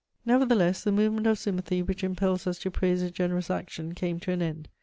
Nevertheless, the movement of sympathy which impels us to praise a generous action came to an end.